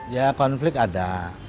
ya konflik ada